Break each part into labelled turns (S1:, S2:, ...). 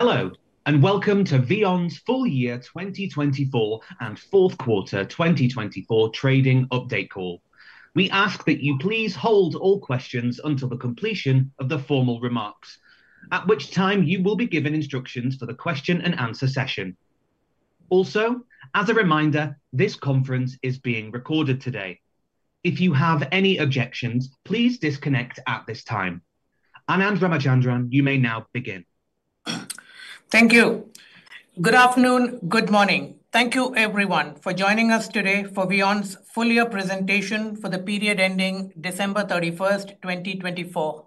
S1: Hello, and welcome to VEON's Full Year 2024 and Fourth Quarter 2024 Trading Update Call. We ask that you please hold all questions until the completion of the formal remarks, at which time you will be given instructions for the question and answer session. Also, as a reminder, this conference is being recorded today. If you have any objections, please disconnect at this time. Anand Ramachandran, you may now begin.
S2: Thank you. Good afternoon, good morning. Thank you, everyone, for joining us today for VEON's full year presentation for the period ending December 31st, 2024.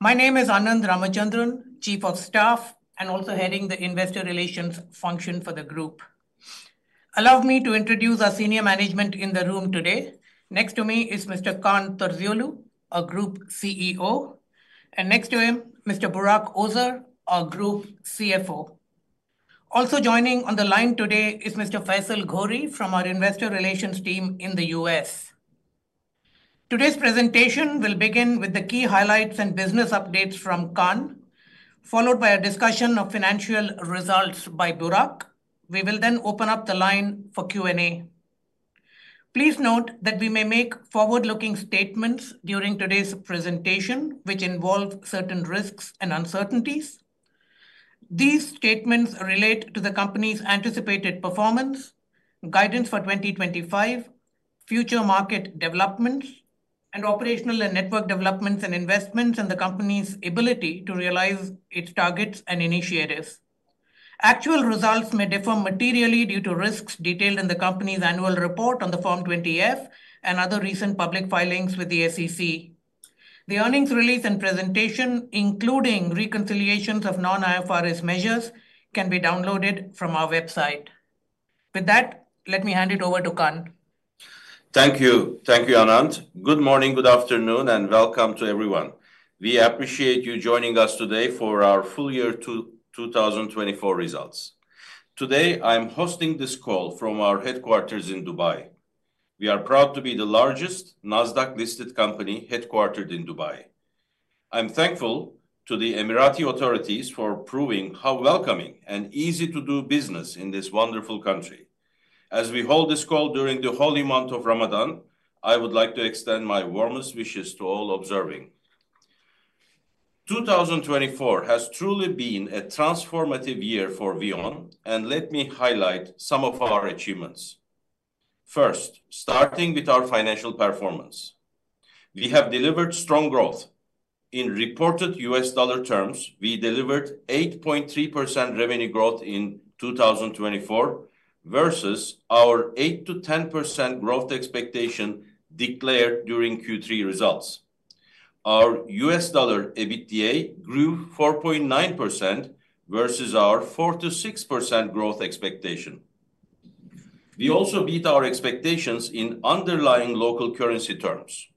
S2: My name is Anand Ramachandran, Chief of Staff and also heading the Investor Relations function for the group. Allow me to introduce our senior management in the room today. Next to me is Mr. Kaan Terzioğlu, Group CEO, and next to him, Mr. Burak Özer, our Group CFO. Also joining on the line today is Mr. Faisal Ghori from our Investor Relations team in the U.S. Today's presentation will begin with the key highlights and business updates from Kaan, followed by a discussion of financial results by Burak. We will then open up the line for Q&A. Please note that we may make forward-looking statements during today's presentation, which involve certain risks and uncertainties. These statements relate to the company's anticipated performance, guidance for 2025, future market developments, and operational and network developments and investments and the company's ability to realize its targets and initiatives. Actual results may differ materially due to risks detailed in the company's annual report on the Form 20-F and other recent public filings with the SEC. The earnings release and presentation, including reconciliations of non-IFRS measures, can be downloaded from our website. With that, let me hand it over to Kaan.
S3: Thank you. Thank you, Anand. Good morning, good afternoon, and welcome to everyone. We appreciate you joining us today for our full year 2024 results. Today, I'm hosting this call from our headquarters in Dubai. We are proud to be the largest Nasdaq-listed company headquartered in Dubai. I'm thankful to the Emirati authorities for proving how welcoming and easy-to-do business is in this wonderful country. As we hold this call during the holy month of Ramadan, I would like to extend my warmest wishes to all observing. 2024 has truly been a transformative year for VEON, and let me highlight some of our achievements. First, starting with our financial performance, we have delivered strong growth. In reported U.S. dollar terms, we delivered 8.3% revenue growth in 2024 versus our 8%-10% growth expectation declared during Q3 results. Our U.S. dollar EBITDA grew 4.9% versus our 4%-6% growth expectation. We also beat our expectations in underlying local currency terms.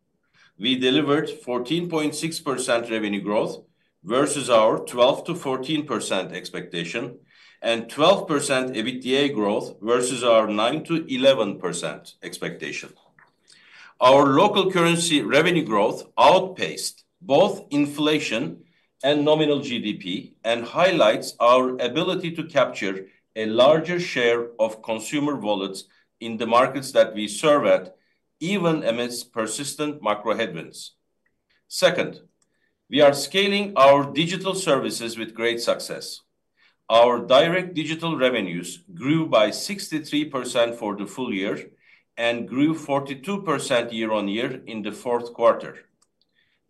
S3: We delivered 14.6% revenue growth versus our 12%-14% expectation and 12% EBITDA growth versus our 9%-11% expectation. Our local currency revenue growth outpaced both inflation and nominal GDP and highlights our ability to capture a larger share of consumer wallets in the markets that we serve at, even amidst persistent macro headwinds. Second, we are scaling our digital services with great success. Our direct digital revenues grew by 63% for the full year and grew 42% year-on-year in the fourth quarter.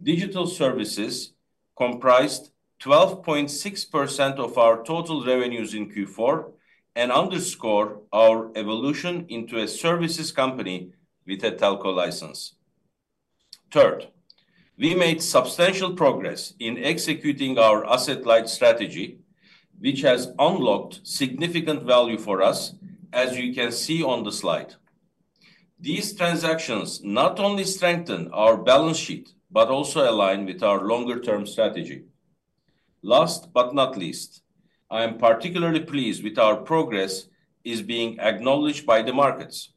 S3: Digital services comprised 12.6% of our total revenues in Q4 and underscore our evolution into a services company with a telco license. Third, we made substantial progress in executing our asset-light strategy, which has unlocked significant value for us, as you can see on the slide. These transactions not only strengthen our balance sheet but also align with our longer-term strategy. Last but not least, I am particularly pleased with our progress being acknowledged by the markets.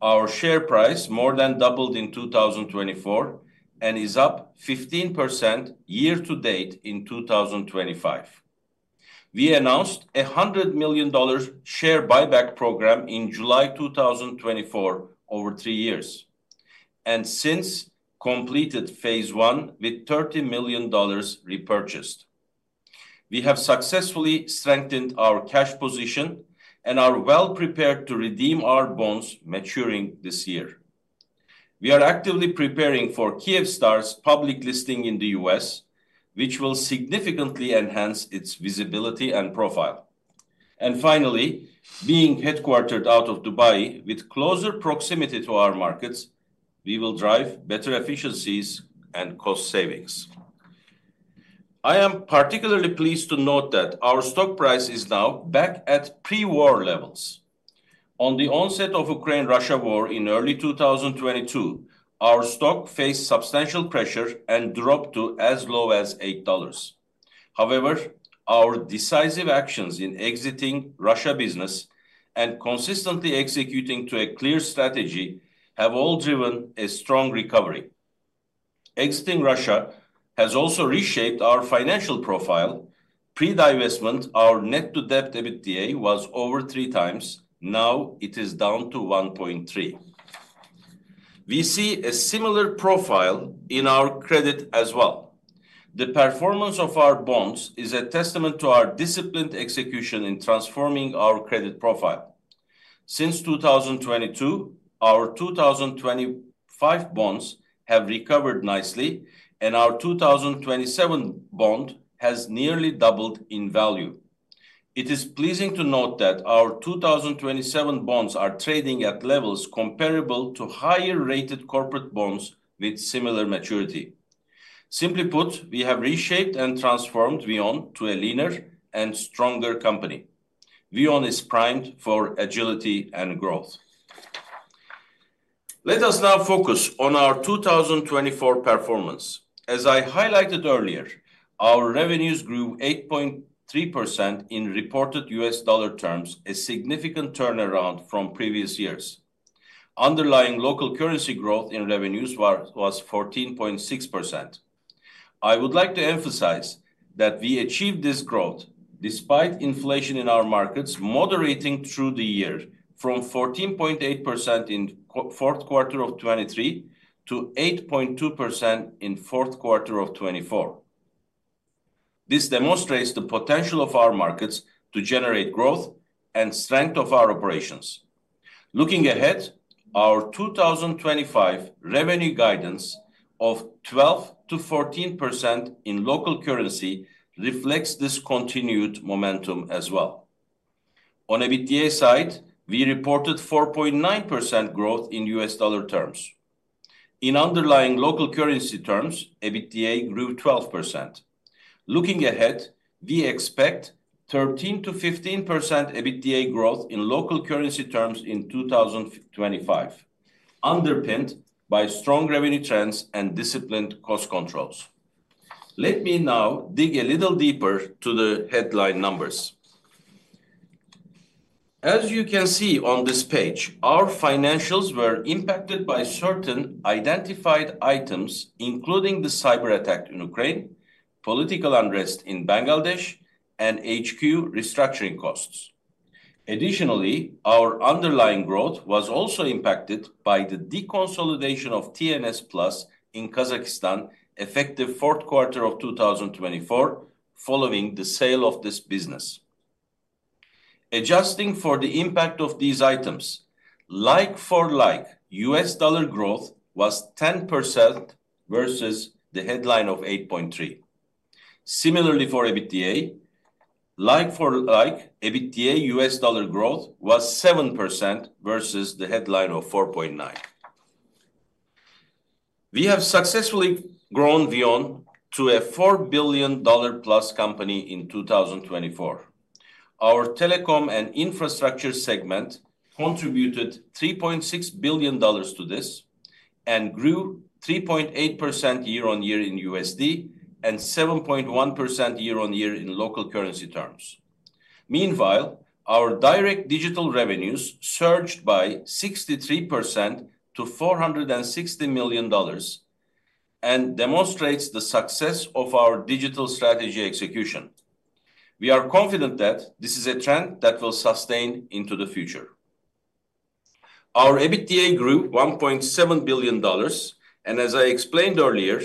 S3: Our share price more than doubled in 2024 and is up 15% year-to-date in 2025. We announced a $100 million share buyback program in July 2024 over three years and since completed phase one with $30 million repurchased. We have successfully strengthened our cash position and are well prepared to redeem our bonds maturing this year. We are actively preparing for Kyivstar's public listing in the U.S., which will significantly enhance its visibility and profile. Finally, being headquartered out of Dubai with closer proximity to our markets, we will drive better efficiencies and cost savings. I am particularly pleased to note that our stock price is now back at pre-war levels. At the onset of the Ukraine-Russia war in early 2022, our stock faced substantial pressure and dropped to as low as $8. However, our decisive actions in exiting Russia business and consistently executing a clear strategy have all driven a strong recovery. Exiting Russia has also reshaped our financial profile. Pre-divestment, our net debt-to-EBITDA was over 3 times; now it is down to 1.3. We see a similar profile in our credit as well. The performance of our bonds is a testament to our disciplined execution in transforming our credit profile. Since 2022, our 2025 bonds have recovered nicely, and our 2027 bond has nearly doubled in value. It is pleasing to note that our 2027 bonds are trading at levels comparable to higher-rated corporate bonds with similar maturity. Simply put, we have reshaped and transformed VEON to a leaner and stronger company. VEON is primed for agility and growth. Let us now focus on our 2024 performance. As I highlighted earlier, our revenues grew 8.3% in reported U.S. dollar terms, a significant turnaround from previous years. Underlying local currency growth in revenues was 14.6%. I would like to emphasize that we achieved this growth despite inflation in our markets moderating through the year from 14.8% in the fourth quarter of 2023 to 8.2% in the fourth quarter of 2024. This demonstrates the potential of our markets to generate growth and strength of our operations. Looking ahead, our 2025 revenue guidance of 12%-14% in local currency reflects this continued momentum as well. On EBITDA side, we reported 4.9% growth in U.S. dollar terms. In underlying local currency terms, EBITDA grew 12%. Looking ahead, we expect 13%-15% EBITDA growth in local currency terms in 2025, underpinned by strong revenue trends and disciplined cost controls. Let me now dig a little deeper to the headline numbers. As you can see on this page, our financials were impacted by certain identified items, including the cyber attack in Ukraine, political unrest in Bangladesh, and HQ restructuring costs. Additionally, our underlying growth was also impacted by the deconsolidation of TNS Plus in Kazakhstan effective fourth quarter of 2024, following the sale of this business. Adjusting for the impact of these items, like-for-like U.S. dollar growth was 10% versus the headline of 8.3%. Similarly, for EBITDA, like-for-like EBITDA U.S. dollar growth was 7% versus the headline of 4.9%. We have successfully grown VEON to a $4 billion plus company in 2024. Our telecom and infrastructure segment contributed $3.6 billion to this and grew 3.8% year-on-year in USD and 7.1% year-on-year in local currency terms. Meanwhile, our direct digital revenues surged by 63% to $460 million and demonstrate the success of our digital strategy execution. We are confident that this is a trend that will sustain into the future. Our EBITDA grew $1.7 billion, and as I explained earlier,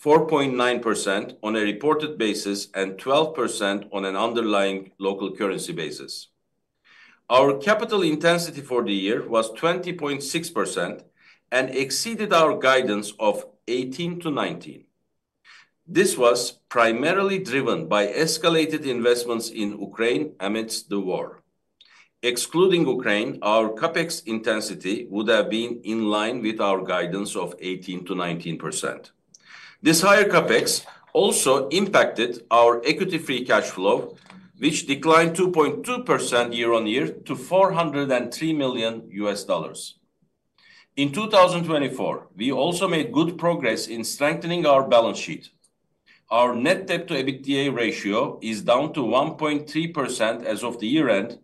S3: 4.9% on a reported basis and 12% on an underlying local currency basis. Our capital intensity for the year was 20.6% and exceeded our guidance of 18%-19%. This was primarily driven by escalated investments in Ukraine amidst the war. Excluding Ukraine, our CapEx intensity would have been in line with our guidance of 18%-19%. This higher CapEx also impacted our equity-free cash flow, which declined 2.2% year-on-year to $403 million US dollars. In 2024, we also made good progress in strengthening our balance sheet. Our net debt-to-EBITDA ratio is down to 1.3 times as of the year-end,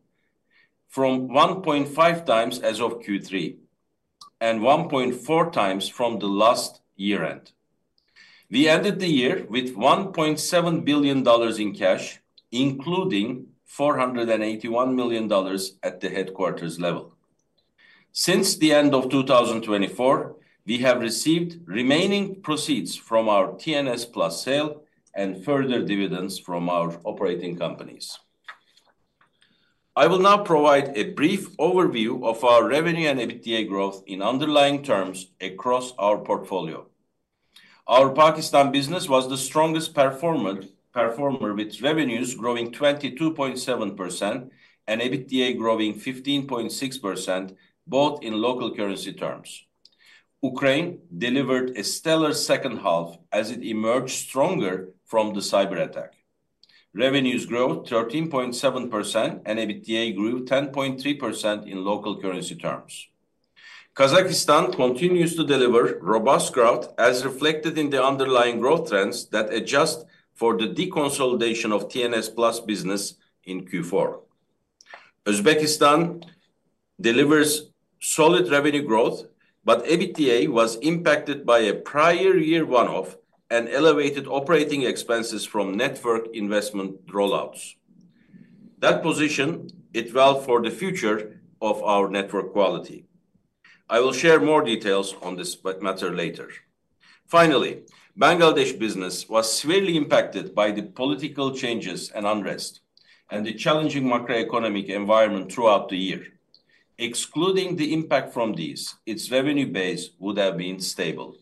S3: from 1.5 times as of Q3 and 1.4 times from the last year-end. We ended the year with $1.7 billion in cash, including $481 million at the headquarters level. Since the end of 2024, we have received remaining proceeds from our TNS Plus sale and further dividends from our operating companies. I will now provide a brief overview of our revenue and EBITDA growth in underlying terms across our portfolio. Our Pakistan business was the strongest performer with revenues growing 22.7% and EBITDA growing 15.6% both in local currency terms. Ukraine delivered a stellar second half as it emerged stronger from the cyber attack. Revenues grew 13.7% and EBITDA grew 10.3% in local currency terms. Kazakhstan continues to deliver robust growth as reflected in the underlying growth trends that adjust for the deconsolidation of TNS Plus business in Q4. Uzbekistan delivers solid revenue growth, but EBITDA was impacted by a prior year one-off and elevated operating expenses from network investment rollouts. That position, it went for the future of our network quality. I will share more details on this matter later. Finally, Bangladesh business was severely impacted by the political changes and unrest and the challenging macroeconomic environment throughout the year. Excluding the impact from these, its revenue base would have been stable.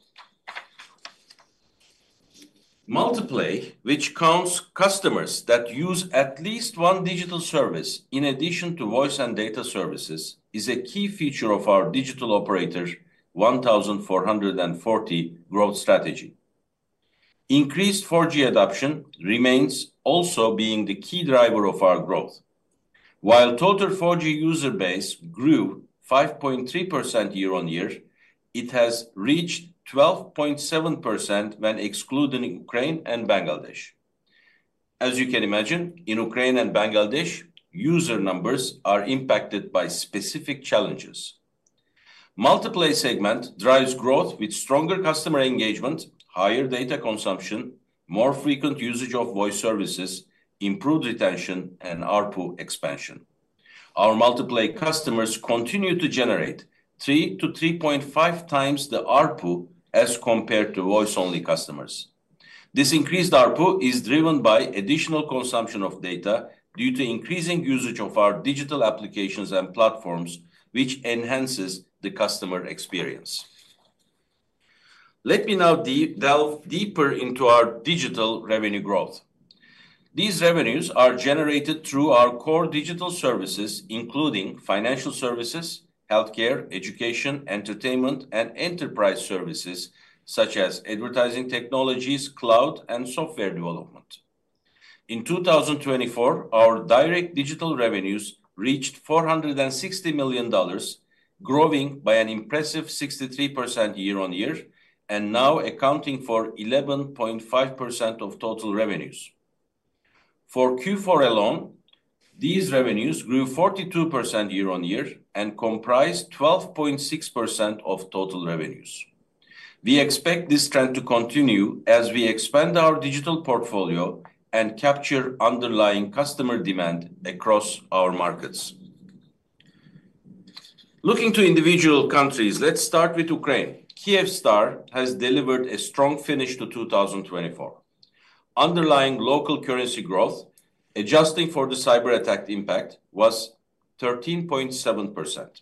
S3: Multiplay, which counts customers that use at least one digital service in addition to voice and data services, is a key feature of our digital operator 1440 growth strategy. Increased 4G adoption remains also being the key driver of our growth. While total 4G user base grew 5.3% year-on-year, it has reached 12.7% when excluding Ukraine and Bangladesh. As you can imagine, in Ukraine and Bangladesh, user numbers are impacted by specific challenges. Multiplay segment drives growth with stronger customer engagement, higher data consumption, more frequent usage of voice services, improved retention, and ARPU expansion. Our multiplay customers continue to generate 3%-3.5 times the ARPU as compared to voice-only customers. This increased ARPU is driven by additional consumption of data due to increasing usage of our digital applications and platforms, which enhances the customer experience. Let me now delve deeper into our digital revenue growth. These revenues are generated through our core digital services, including financial services, healthcare, education, entertainment, and enterprise services such as advertising technologies, cloud, and software development. In 2024, our direct digital revenues reached $460 million, growing by an impressive 63% year-on-year and now accounting for 11.5% of total revenues. For Q4 alone, these revenues grew 42% year-on-year and comprised 12.6% of total revenues. We expect this trend to continue as we expand our digital portfolio and capture underlying customer demand across our markets. Looking to individual countries, let's start with Ukraine. Kyivstar has delivered a strong finish to 2024. Underlying local currency growth, adjusting for the cyber attack impact, was 13.7%.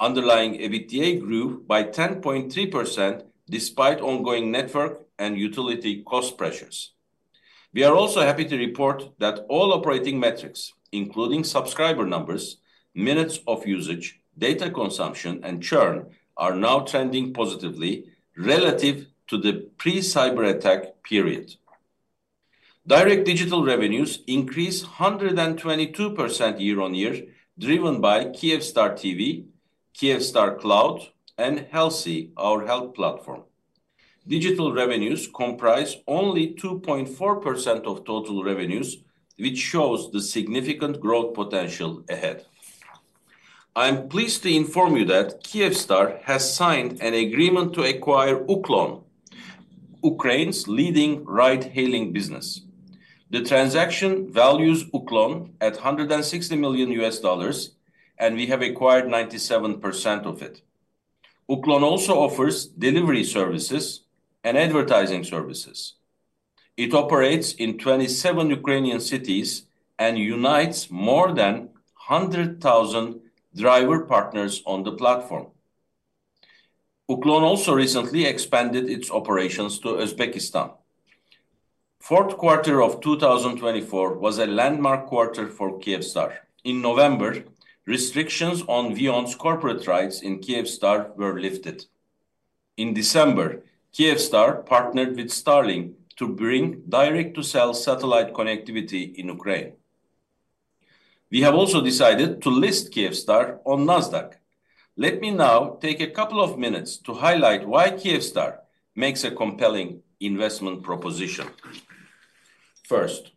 S3: Underlying EBITDA grew by 10.3% despite ongoing network and utility cost pressures. We are also happy to report that all operating metrics, including subscriber numbers, minutes of usage, data consumption, and churn, are now trending positively relative to the pre-cyber attack period. Direct digital revenues increased 122% year-on-year, driven by Kyivstar TV, Kyivstar Cloud, and HEALSE, our health platform. Digital revenues comprise only 2.4% of total revenues, which shows the significant growth potential ahead. I am pleased to inform you that Kyivstar has signed an agreement to acquire Uklon, Ukraine's leading ride-hailing business. The transaction values Uklon at $160 million, and we have acquired 97% of it. Uklon also offers delivery services and advertising services. It operates in 27 Ukrainian cities and unites more than 100,000 driver partners on the platform. Uklon also recently expanded its operations to Uzbekistan. Fourth quarter of 2024 was a landmark quarter for Kyivstar. In November, restrictions on VEON's corporate rights in Kyivstar were lifted. In December, Kyivstar partnered with Starlink to bring direct-to-cell satellite connectivity in Ukraine. We have also decided to list Kyivstar on Nasdaq. Let me now take a couple of minutes to highlight why Kyivstar makes a compelling investment proposition. First,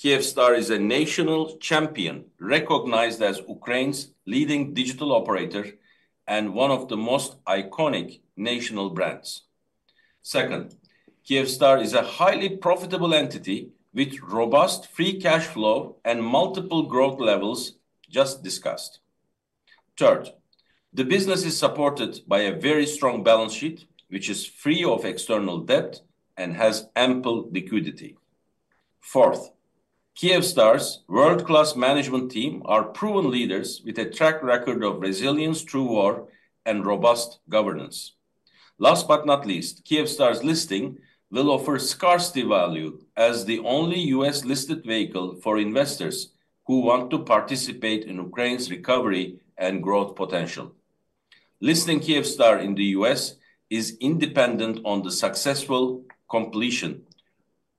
S3: Kyivstar is a national champion recognized as Ukraine's leading digital operator and one of the most iconic national brands. Second, Kyivstar is a highly profitable entity with robust free cash flow and multiple growth levels just discussed. Third, the business is supported by a very strong balance sheet, which is free of external debt and has ample liquidity. Fourth, Kyivstar's world-class management team are proven leaders with a track record of resilience through war and robust governance. Last but not least, Kyivstar's listing will offer scarcity value as the only U.S. listed vehicle for investors who want to participate in Ukraine's recovery and growth potential. Listing Kyivstar in the U.S. is independent of the successful completion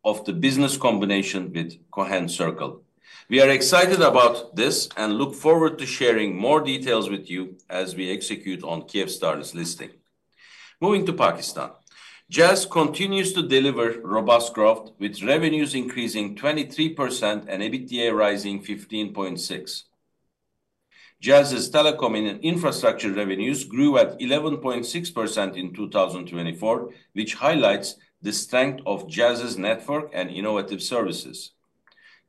S3: of the business combination with Cohen Circle. We are excited about this and look forward to sharing more details with you as we execute on Kyivstar's listing. Moving to Pakistan, Jazz continues to deliver robust growth with revenues increasing 23% and EBITDA rising 15.6%. Jazz's telecom and infrastructure revenues grew at 11.6% in 2024, which highlights the strength of Jazz's network and innovative services.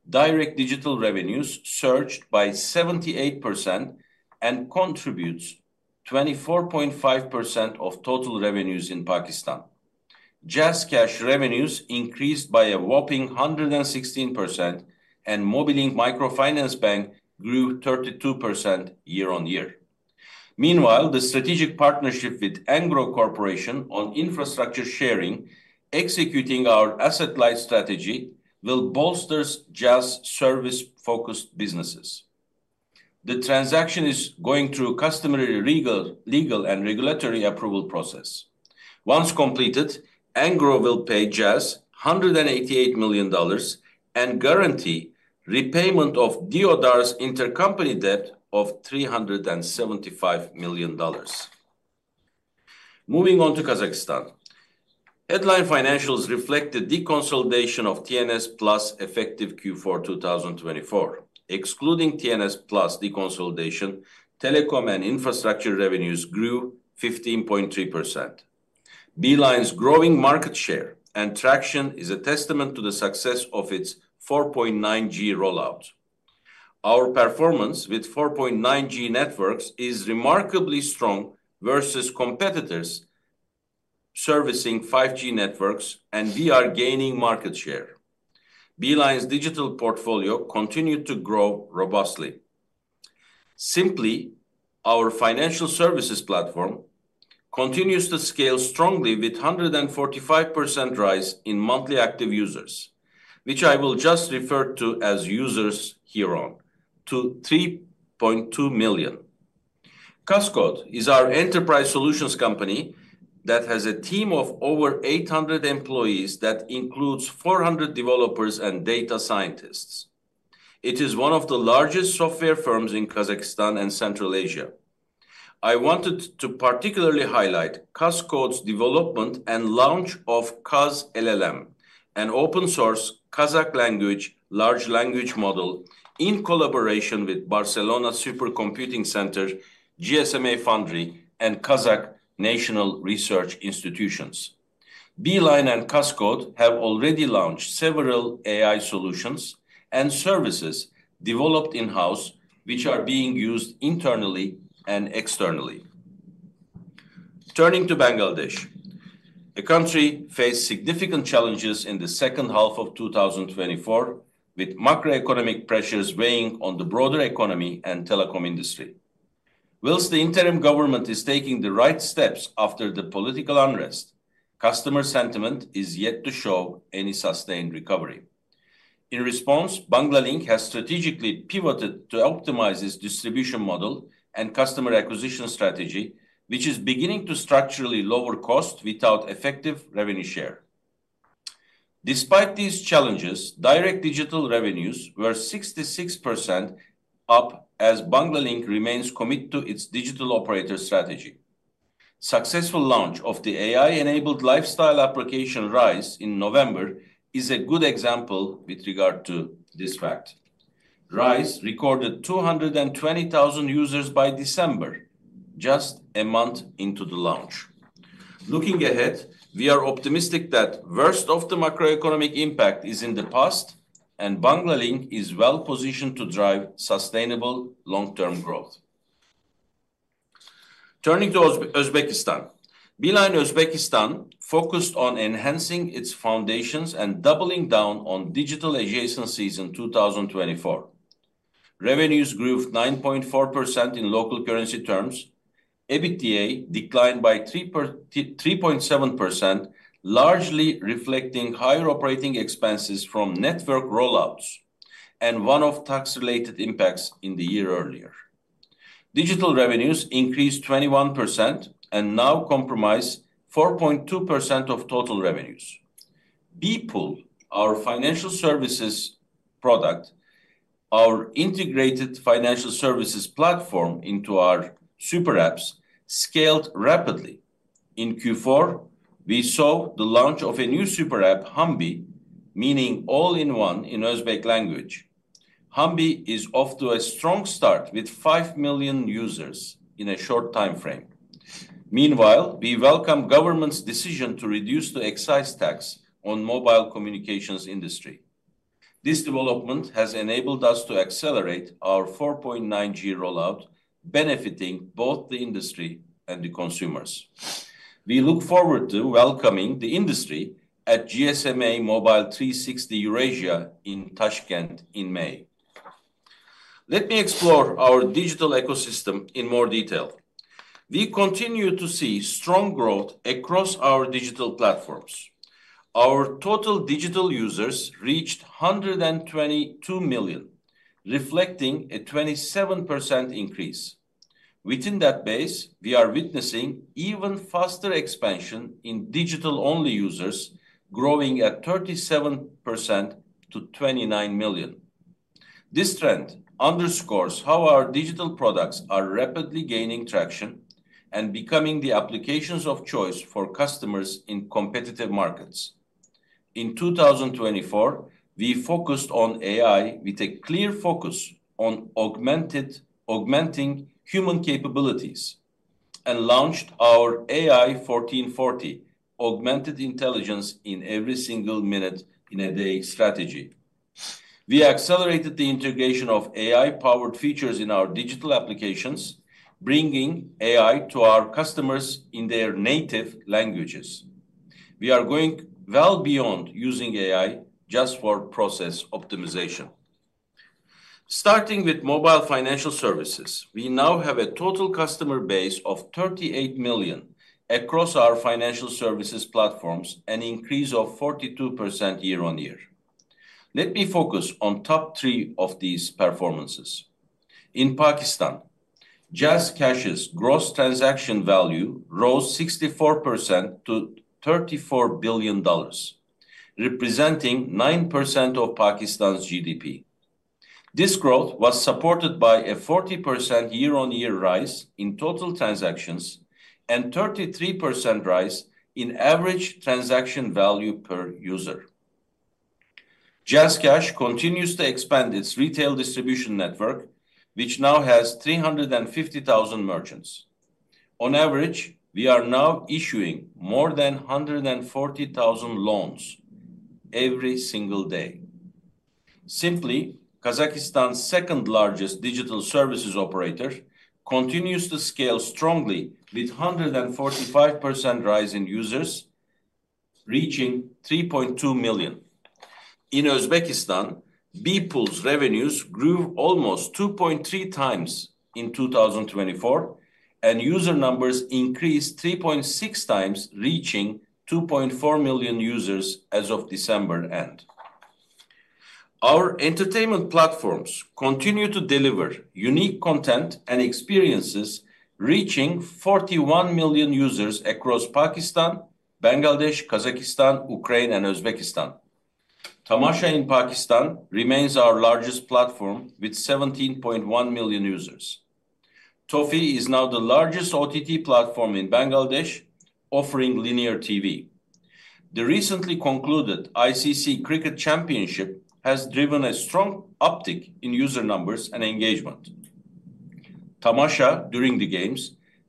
S3: Direct digital revenues surged by 78% and contribute 24.5% of total revenues in Pakistan. JazzCash revenues increased by a whopping 116%, and Mobile Ink Microfinance Bank grew 32% year-on-year. Meanwhile, the strategic partnership with Engro Corporation on infrastructure sharing, executing our asset-light strategy, will bolster Jazz's service-focused businesses. The transaction is going through customary legal and regulatory approval process. Once completed, Engro will pay Jazz $188 million and guarantee repayment of Deodar's intercompany debt of $375 million. Moving on to Kazakhstan, headline financials reflect the deconsolidation of TNS Plus effective Q4 2024. Excluding TNS Plus deconsolidation, telecom and infrastructure revenues grew 15.3%. Beeline's growing market share and traction is a testament to the success of its 4.9G rollout. Our performance with 4.9G networks is remarkably strong versus competitors servicing 5G networks, and we are gaining market share. Beeline's digital portfolio continued to grow robustly. Simply, our financial services platform continues to scale strongly with a 145% rise in monthly active users, which I will just refer to as users here on, to 3.2 million. Kaskod is our enterprise solutions company that has a team of over 800 employees that includes 400 developers and data scientists. It is one of the largest software firms in Kazakhstan and Central Asia. I wanted to particularly highlight Kaskod's development and launch of KazLLM, an open-source Kazakh-language large language model in collaboration with Barcelona Supercomputing Center, GSMA Foundry, and Kazakh National Research Institutions. Beeline and Kaskod have already launched several AI solutions and services developed in-house, which are being used internally and externally. Turning to Bangladesh, a country faced significant challenges in the second half of 2024, with macroeconomic pressures weighing on the broader economy and telecom industry. Whilst the interim government is taking the right steps after the political unrest, customer sentiment is yet to show any sustained recovery. In response, Banglalink has strategically pivoted to optimize its distribution model and customer acquisition strategy, which is beginning to structurally lower costs without effective revenue share. Despite these challenges, direct digital revenues were 66% up as Banglalink remains committed to its digital operator strategy. Successful launch of the AI-enabled lifestyle application RISE in November is a good example with regard to this fact. RISE recorded 220,000 users by December, just a month into the launch. Looking ahead, we are optimistic that the worst of the macroeconomic impact is in the past, and Banglalink is well-positioned to drive sustainable long-term growth. Turning to Uzbekistan, Beeline Uzbekistan focused on enhancing its foundations and doubling down on digital adjacencies in 2024. Revenues grew 9.4% in local currency terms. EBITDA declined by 3.7%, largely reflecting higher operating expenses from network rollouts and one-off tax-related impacts in the year earlier. Digital revenues increased 21% and now comprise 4.2% of total revenues. BeePool, our financial services product, our integrated financial services platform into our super apps, scaled rapidly. In Q4, we saw the launch of a new super app, Humby, meaning all-in-one in Uzbek language. Humby is off to a strong start with 5 million users in a short time frame. Meanwhile, we welcome the government's decision to reduce the excise tax on the mobile communications industry. This development has enabled us to accelerate our 4.9G rollout, benefiting both the industry and the consumers. We look forward to welcoming the industry at GSMA Mobile 360 Eurasia in Tashkent in May. Let me explore our digital ecosystem in more detail. We continue to see strong growth across our digital platforms. Our total digital users reached 122 million, reflecting a 27% increase. Within that base, we are witnessing even faster expansion in digital-only users, growing at 37% to 29 million. This trend underscores how our digital products are rapidly gaining traction and becoming the applications of choice for customers in competitive markets. In 2024, we focused on AI with a clear focus on augmenting human capabilities and launched our AI 1440, augmented intelligence in every single minute in a day strategy. We accelerated the integration of AI-powered features in our digital applications, bringing AI to our customers in their native languages. We are going well beyond using AI just for process optimization. Starting with mobile financial services, we now have a total customer base of 38 million across our financial services platforms, an increase of 42% year-on-year. Let me focus on the top three of these performances. In Pakistan, JazzCash's gross transaction value rose 64% to $34 billion, representing 9% of Pakistan's GDP. This growth was supported by a 40% year-on-year rise in total transactions and a 33% rise in average transaction value per user. JazzCash continues to expand its retail distribution network, which now has 350,000 merchants. On average, we are now issuing more than 140,000 loans every single day. Simply, Kazakhstan's second-largest digital services operator continues to scale strongly, with a 145% rise in users reaching 3.2 million. In Uzbekistan, BeePool's revenues grew almost 2.3 times in 2024, and user numbers increased 3.6 times, reaching 2.4 million users as of December end. Our entertainment platforms continue to deliver unique content and experiences, reaching 41 million users across Pakistan, Bangladesh, Kazakhstan, Ukraine, and Uzbekistan. Tamasha in Pakistan remains our largest platform with 17.1 million users. TOFI is now the largest OTT platform in Bangladesh, offering linear TV. The recently concluded ICC Cricket Championship has driven a strong uptick in user numbers and engagement. Tamasha during the Games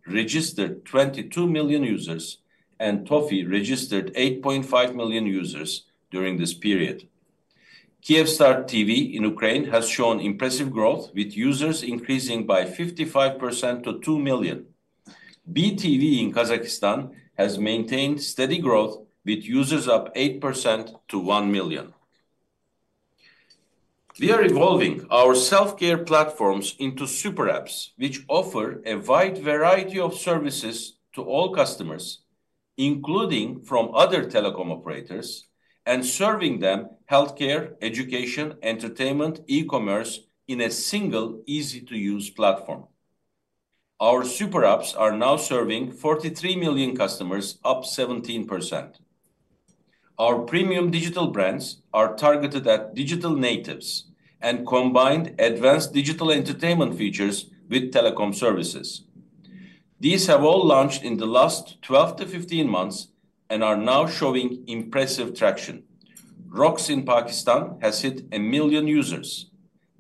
S3: registered 22 million users, and TOFI registered 8.5 million users during this period. Kyivstar TV in Ukraine has shown impressive growth, with users increasing by 55% to 2 million. BeeTV in Kazakhstan has maintained steady growth, with users up 8% to 1 million. We are evolving our self-care platforms into super apps, which offer a wide variety of services to all customers, including from other telecom operators, and serving them healthcare, education, entertainment, e-commerce in a single, easy-to-use platform. Our super apps are now serving 43 million customers, up 17%. Our premium digital brands are targeted at digital natives and combined advanced digital entertainment features with telecom services. These have all launched in the last 12-15 months and are now showing impressive traction. Rox in Pakistan has hit 1 million users.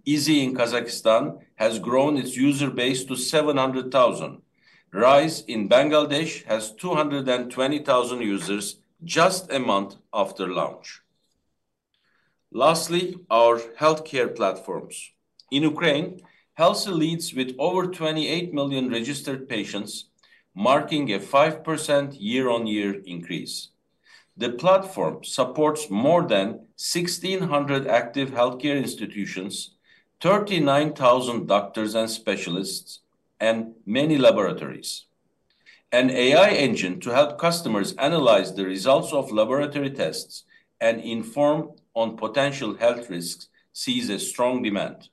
S3: Easy in Kazakhstan has grown its user base to 700,000. RISE in Bangladesh has 220,000 users just a month after launch. Lastly, our healthcare platforms. In Ukraine, HEALSE leads with over 28 million registered patients, marking a 5% year-on-year increase. The platform supports more than 1,600 active healthcare institutions, 39,000 doctors and specialists, and many laboratories. An AI engine to help customers analyze the results of laboratory tests and inform on potential health risks sees a strong demand.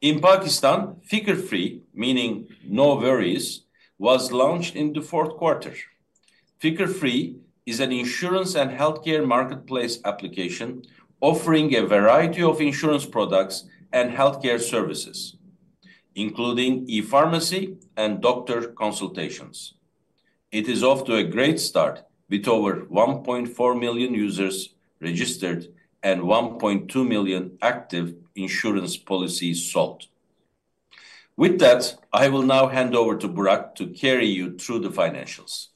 S3: In Pakistan, Fikr Free, meaning no worries, was launched in the fourth quarter. Fikr Free is an insurance and healthcare marketplace application offering a variety of insurance products and healthcare services, including e-pharmacy and doctor consultations. It is off to a great start with over 1.4 million users registered and 1.2 million active insurance policies sold. With that, I will now hand over to Burak to carry you through the financials.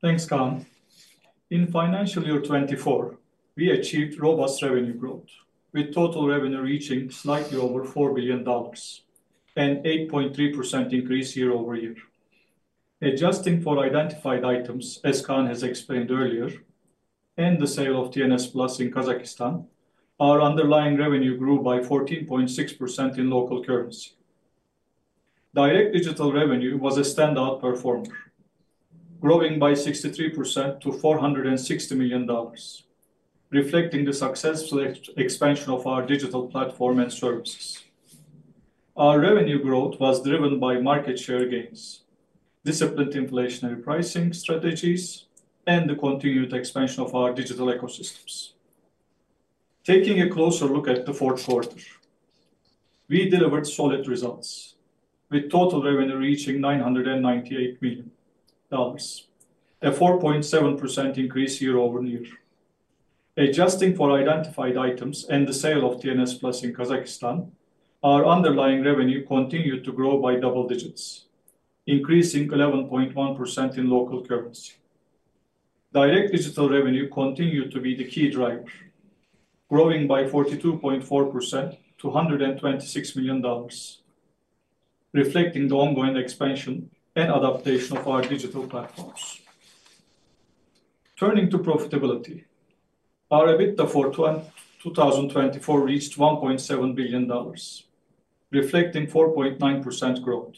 S4: Thanks, Kaan. In financial year 2024, we achieved robust revenue growth, with total revenue reaching slightly over $4 billion and an 8.3% increase year-over-year. Adjusting for identified items, as Kaan has explained earlier, and the sale of TNS Plus in Kazakhstan, our underlying revenue grew by 14.6% in local currency. Direct digital revenue was a standout performer, growing by 63% to $460 million, reflecting the successful expansion of our digital platform and services. Our revenue growth was driven by market share gains, disciplined inflationary pricing strategies, and the continued expansion of our digital ecosystems. Taking a closer look at the fourth quarter, we delivered solid results, with total revenue reaching $998 million, a 4.7% increase year-over-year. Adjusting for identified items and the sale of TNS Plus in Kazakhstan, our underlying revenue continued to grow by double digits, increasing 11.1% in local currency. Direct digital revenue continued to be the key driver, growing by 42.4% to $126 million, reflecting the ongoing expansion and adaptation of our digital platforms. Turning to profitability, our EBITDA for 2024 reached $1.7 billion, reflecting 4.9% growth.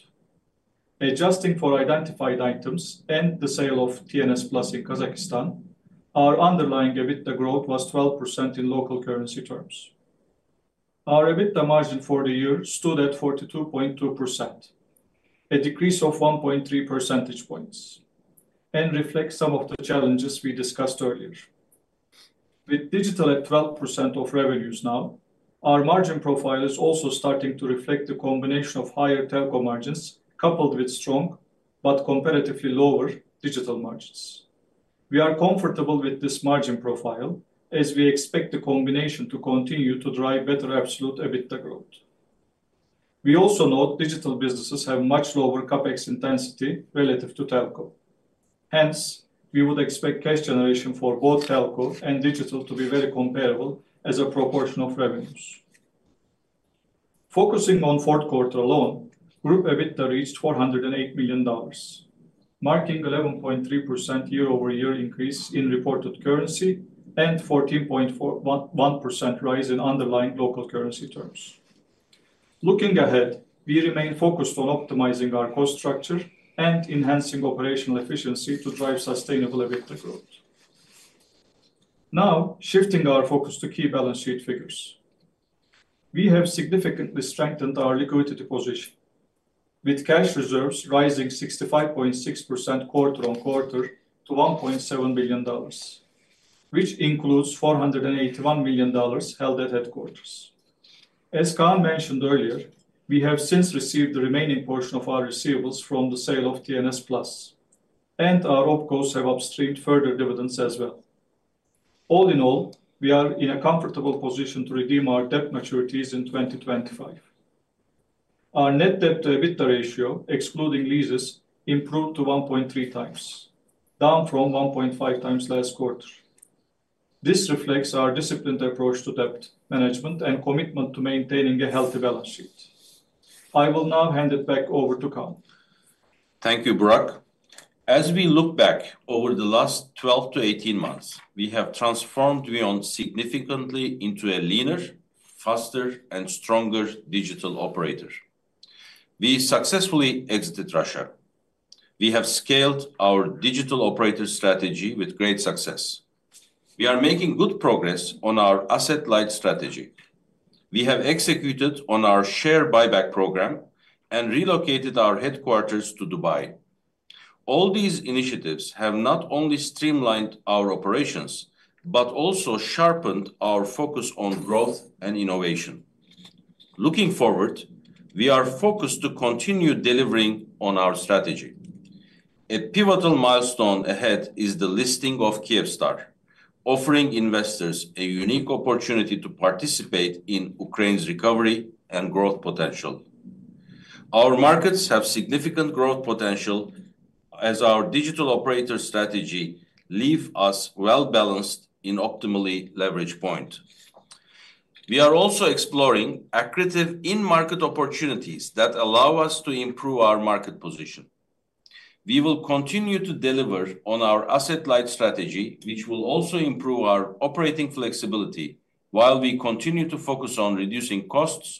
S4: Adjusting for identified items and the sale of TNS Plus in Kazakhstan, our underlying EBITDA growth was 12% in local currency terms. Our EBITDA margin for the year stood at 42.2%, a decrease of 1.3 percentage points, and reflects some of the challenges we discussed earlier. With digital at 12% of revenues now, our margin profile is also starting to reflect the combination of higher telco margins coupled with strong but comparatively lower digital margins. We are comfortable with this margin profile as we expect the combination to continue to drive better absolute EBITDA growth. We also note digital businesses have much lower CapEx intensity relative to telco. Hence, we would expect cash generation for both telco and digital to be very comparable as a proportion of revenues. Focusing on the fourth quarter alone, group EBITDA reached $408 million, marking an 11.3% year-over-year increase in reported currency and a 14.1% rise in underlying local currency terms. Looking ahead, we remain focused on optimizing our cost structure and enhancing operational efficiency to drive sustainable EBITDA growth. Now, shifting our focus to key balance sheet figures, we have significantly strengthened our liquidity position, with cash reserves rising 65.6% quarter-on-quarter to $1.7 billion, which includes $481 million held at headquarters. As Kaan mentioned earlier, we have since received the remaining portion of our receivables from the sale of TNS Plus, and our opcos have upstreamed further dividends as well. All in all, we are in a comfortable position to redeem our debt maturities in 2025. Our net debt-to-EBITDA ratio, excluding leases, improved to 1.3 times, down from 1.5 times last quarter. This reflects our disciplined approach to debt management and commitment to maintaining a healthy balance sheet. I will now hand it back over to Kaan.
S3: Thank you, Burak. As we look back over the last 12-18 months, we have transformed VEON significantly into a leaner, faster, and stronger digital operator. We successfully exited Russia. We have scaled our digital operator strategy with great success. We are making good progress on our asset-light strategy. We have executed on our share buyback program and relocated our headquarters to Dubai. All these initiatives have not only streamlined our operations but also sharpened our focus on growth and innovation. Looking forward, we are focused to continue delivering on our strategy. A pivotal milestone ahead is the listing of Kyivstar, offering investors a unique opportunity to participate in Ukraine's recovery and growth potential. Our markets have significant growth potential as our digital operator strategy leaves us well-balanced in optimally leveraged points. We are also exploring accretive in-market opportunities that allow us to improve our market position. We will continue to deliver on our asset-light strategy, which will also improve our operating flexibility while we continue to focus on reducing costs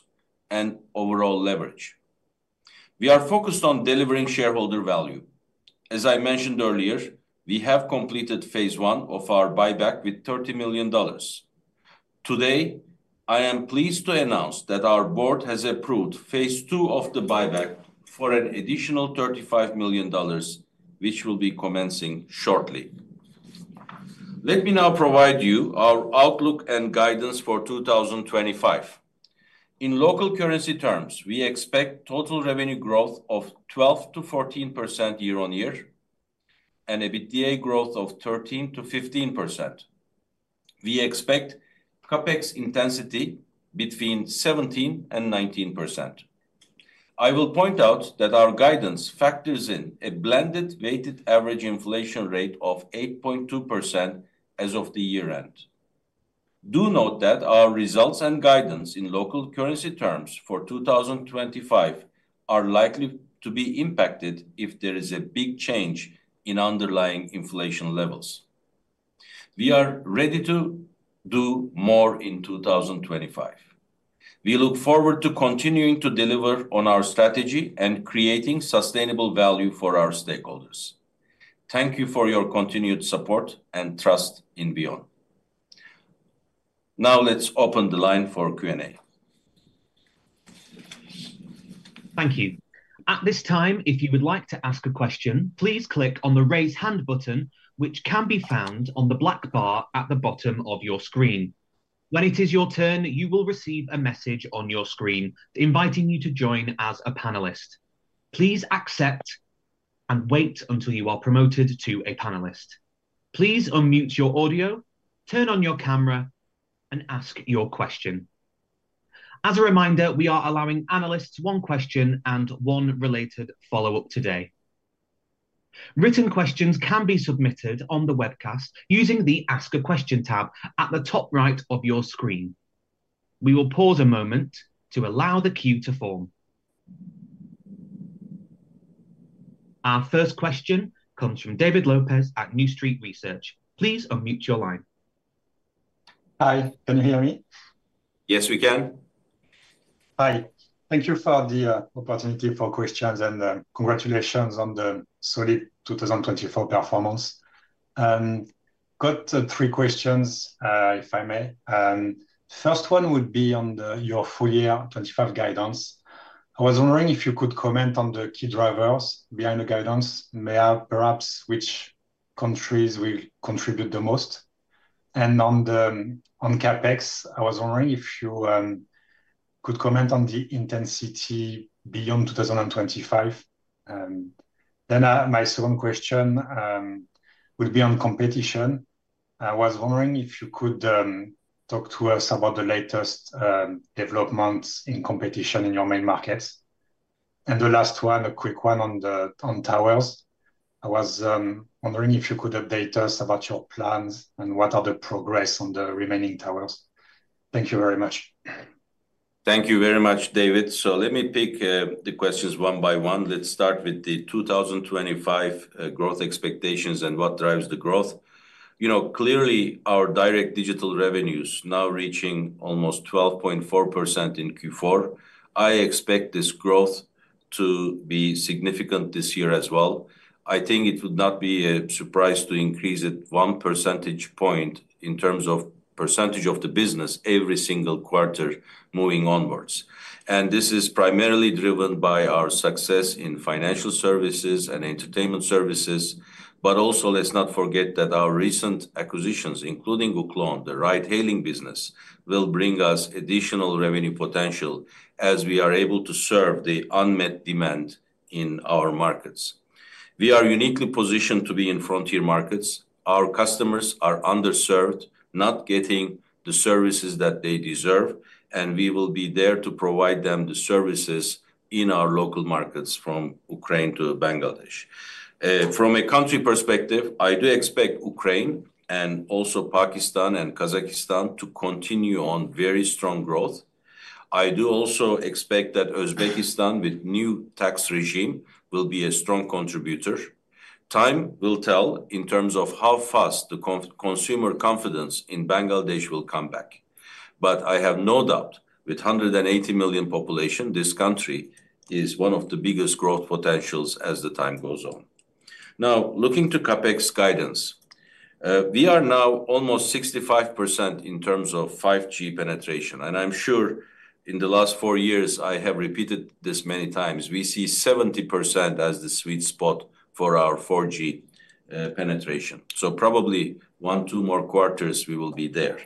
S3: and overall leverage. We are focused on delivering shareholder value. As I mentioned earlier, we have completed phase one of our buyback with $30 million. Today, I am pleased to announce that our board has approved phase two of the buyback for an additional $35 million, which will be commencing shortly. Let me now provide you our outlook and guidance for 2025. In local currency terms, we expect total revenue growth of 12%-14% year-on-year and EBITDA growth of 13%-15%. We expect CapEx intensity between 17%-19%. I will point out that our guidance factors in a blended weighted average inflation rate of 8.2% as of the year-end. Do note that our results and guidance in local currency terms for 2025 are likely to be impacted if there is a big change in underlying inflation levels. We are ready to do more in 2025. We look forward to continuing to deliver on our strategy and creating sustainable value for our stakeholders. Thank you for your continued support and trust in VEON. Now, let's open the line for Q&A.
S1: Thank you. At this time, if you would like to ask a question, please click on the raise hand button, which can be found on the black bar at the bottom of your screen. When it is your turn, you will receive a message on your screen inviting you to join as a panelist. Please accept and wait until you are promoted to a panelist. Please unmute your audio, turn on your camera, and ask your question. As a reminder, we are allowing analysts one question and one related follow-up today. Written questions can be submitted on the webcast using the Ask a Question tab at the top right of your screen. We will pause a moment to allow the queue to form. Our first question comes from David Lopes at New Street Research. Please unmute your line.
S5: Hi, can you hear me?
S3: Yes, we can.
S5: Hi. Thank you for the opportunity for questions, and congratulations on the solid 2024 performance. I've got three questions, if I may. The first one would be on your full year 2025 guidance. I was wondering if you could comment on the key drivers behind the guidance, perhaps which countries will contribute the most. On CapEx, I was wondering if you could comment on the intensity beyond 2025. My second question would be on competition. I was wondering if you could talk to us about the latest developments in competition in your main markets. The last one, a quick one on towers. I was wondering if you could update us about your plans and what are the progress on the remaining towers. Thank you very much.
S3: Thank you very much, David. Let me pick the questions one by one. Let's start with the 2025 growth expectations and what drives the growth. You know, clearly, our direct digital revenues are now reaching almost 12.4% in Q4. I expect this growth to be significant this year as well. I think it would not be a surprise to increase it one percentage point in terms of % of the business every single quarter moving onwards. This is primarily driven by our success in financial services and entertainment services. Also, let's not forget that our recent acquisitions, including Uklon, the ride-hailing business, will bring us additional revenue potential as we are able to serve the unmet demand in our markets. We are uniquely positioned to be in frontier markets. Our customers are underserved, not getting the services that they deserve, and we will be there to provide them the services in our local markets from Ukraine to Bangladesh. From a country perspective, I do expect Ukraine and also Pakistan and Kazakhstan to continue on very strong growth. I do also expect that Uzbekistan with a new tax regime will be a strong contributor. Time will tell in terms of how fast the consumer confidence in Bangladesh will come back. I have no doubt with a 180 million population, this country is one of the biggest growth potentials as the time goes on. Now, looking to CapEx guidance, we are now almost 65% in terms of 5G penetration. I am sure in the last four years, I have repeated this many times, we see 70% as the sweet spot for our 4G penetration. Probably one, two more quarters, we will be there.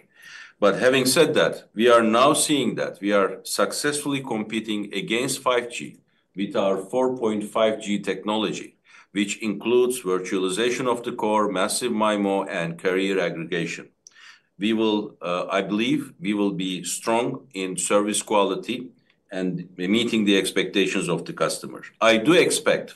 S3: Having said that, we are now seeing that we are successfully competing against 5G with our 4.5G technology, which includes virtualization of the core, massive MIMO, and carrier aggregation. I believe we will be strong in service quality and meeting the expectations of the customers. I do expect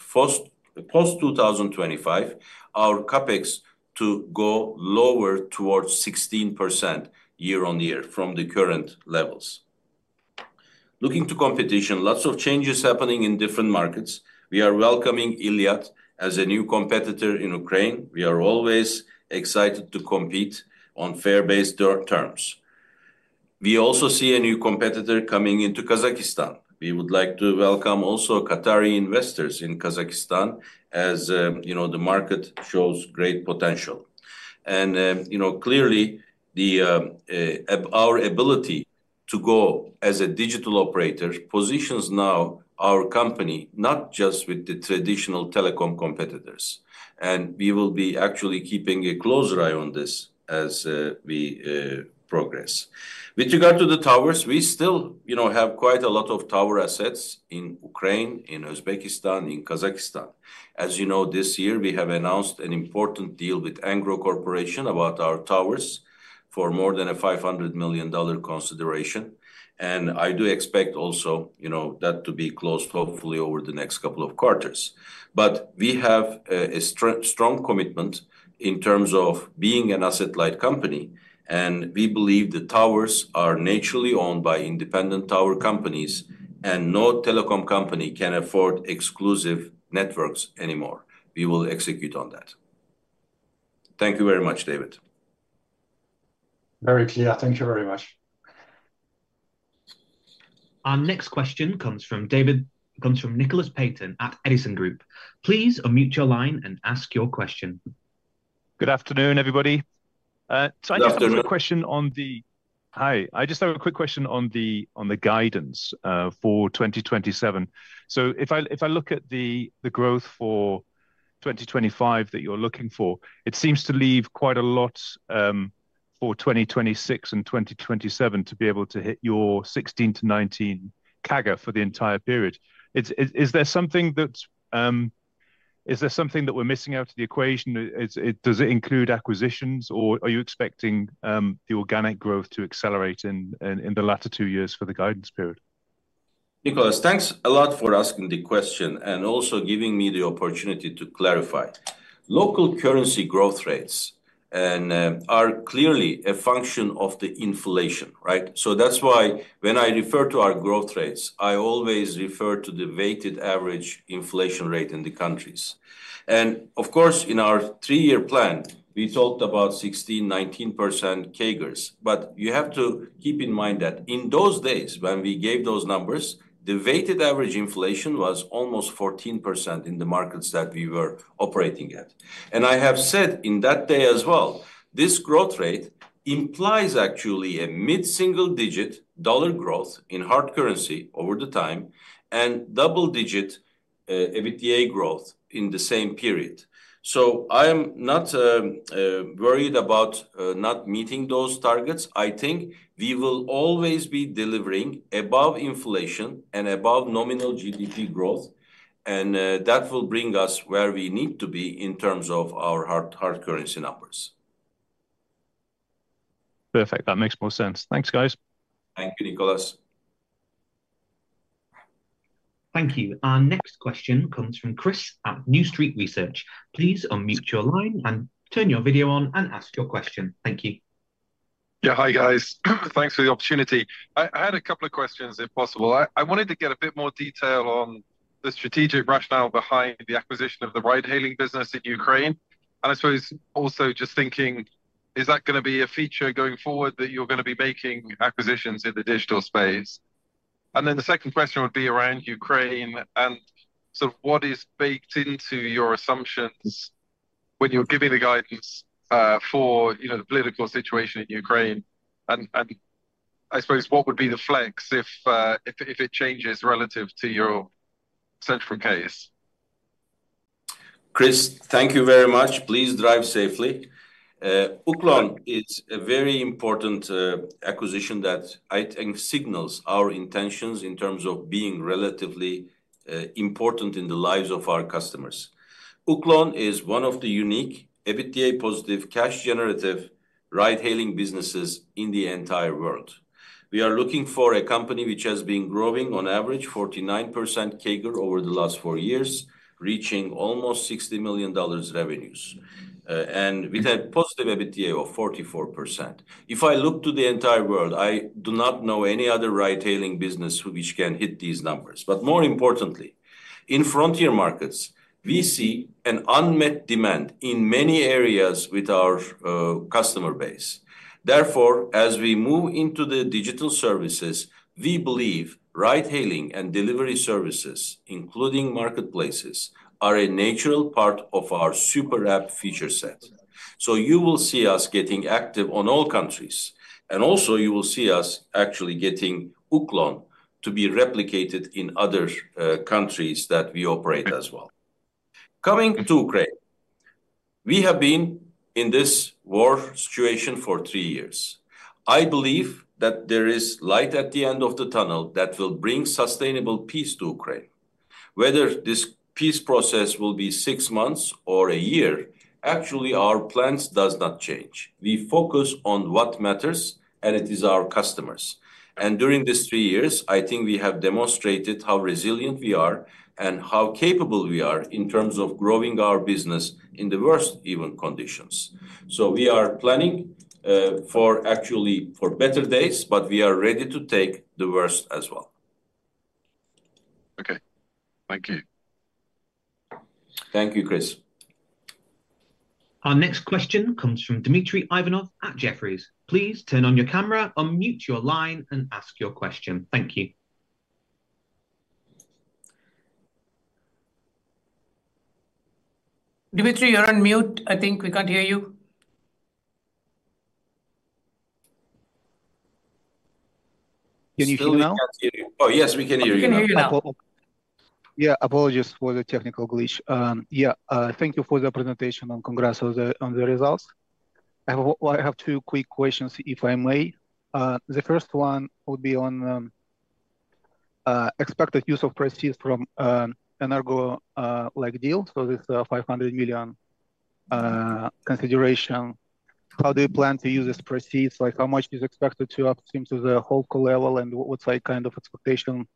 S3: post-2025, our CapEx to go lower towards 16% year-on-year from the current levels. Looking to competition, lots of changes happening in different markets. We are welcoming ILIAT as a new competitor in Ukraine. We are always excited to compete on fair-based terms. We also see a new competitor coming into Kazakhstan. We would like to welcome also Qatari investors in Kazakhstan as, you know, the market shows great potential. You know, clearly, our ability to go as a digital operator positions now our company not just with the traditional telecom competitors. We will be actually keeping a close eye on this as we progress. With regard to the towers, we still, you know, have quite a lot of tower assets in Ukraine, in Uzbekistan, in Kazakhstan. As you know, this year, we have announced an important deal with Engro Corporation about our towers for more than a $500 million consideration. I do expect also, you know, that to be closed, hopefully, over the next couple of quarters. We have a strong commitment in terms of being an asset-light company. We believe the towers are naturally owned by independent tower companies, and no telecom company can afford exclusive networks anymore. We will execute on that. Thank you very much, David.
S5: Very clear. Thank you very much.
S1: Our next question comes from Nicholas Paton at Edison Group. Please unmute your line and ask your question.
S6: Good afternoon, everybody.
S3: Good afternoon.
S6: I just have a quick question on the guidance for 2027. If I look at the growth for 2025 that you're looking for, it seems to leave quite a lot for 2026 and 2027 to be able to hit your 16%-19% CAGR for the entire period. Is there something that we're missing out of the equation? Does it include acquisitions, or are you expecting the organic growth to accelerate in the latter two years for the guidance period?
S3: Nicholas, thanks a lot for asking the question and also giving me the opportunity to clarify. Local currency growth rates are clearly a function of the inflation, right? That's why when I refer to our growth rates, I always refer to the weighted average inflation rate in the countries. Of course, in our three-year plan, we talked about 16%-19% CAGRs. You have to keep in mind that in those days when we gave those numbers, the weighted average inflation was almost 14% in the markets that we were operating at. I have said in that day as well, this growth rate implies actually a mid-single-digit dollar growth in hard currency over the time and double-digit EBITDA growth in the same period. I am not worried about not meeting those targets. I think we will always be delivering above inflation and above nominal GDP growth. That will bring us where we need to be in terms of our hard currency numbers.
S6: Perfect. That makes more sense. Thanks, guys.
S3: Thank you, Nicholas.
S1: Thank you. Our next question comes from Chris at New Street Research. Please unmute your line and turn your video on and ask your question.
S7: Thank you. Yeah, hi, guys. Thanks for the opportunity. I had a couple of questions, if possible. I wanted to get a bit more detail on the strategic rationale behind the acquisition of the ride-hailing business in Ukraine. I suppose also just thinking, is that going to be a feature going forward that you're going to be making acquisitions in the digital space? The second question would be around Ukraine and sort of what is baked into your assumptions when you're giving the guidance for, you know, the political situation in Ukraine? I suppose, what would be the flex if it changes relative to your central case?
S3: Chris, thank you very much. Please drive safely. Uklon is a very important acquisition that I think signals our intentions in terms of being relatively important in the lives of our customers. Uklon is one of the unique EBITDA-positive cash-generative ride-hailing businesses in the entire world. We are looking for a company which has been growing on average 49% CAGR over the last four years, reaching almost $60 million revenues, and with a positive EBITDA of 44%. If I look to the entire world, I do not know any other ride-hailing business which can hit these numbers. More importantly, in frontier markets, we see an unmet demand in many areas with our customer base. Therefore, as we move into the digital services, we believe ride-hailing and delivery services, including marketplaces, are a natural part of our super app feature set. You will see us getting active on all countries. You will also see us actually getting Uklon to be replicated in other countries that we operate as well. Coming to Ukraine, we have been in this war situation for three years. I believe that there is light at the end of the tunnel that will bring sustainable peace to Ukraine. Whether this peace process will be six months or a year, actually, our plans do not change. We focus on what matters, and it is our customers. During these three years, I think we have demonstrated how resilient we are and how capable we are in terms of growing our business in the worst even conditions. We are planning for actually for better days, but we are ready to take the worst as well.
S7: Okay. Thank you.
S3: Thank you, Chris.
S1: Our next question comes from Dmitry Ivanov at Jefferies. Please turn on your camera, unmute your line, and ask your question. Thank you.
S2: Dmitry, you're on mute. I think we can't hear you.
S8: Can you still now?
S3: Oh, yes, we can hear you.
S2: We can hear you.
S8: Yeah, apologies for the technical glitch. Yeah, thank you for the presentation and congrats on the results. I have two quick questions, if I may. The first one would be on expected use of proceeds from an Argo-like deal. This is a $500 million consideration. How do you plan to use these proceeds? Like, how much is expected to upstream to the whole core level? What's our kind of expectation